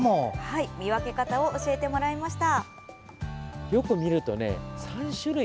見分け方を教えてもらいました。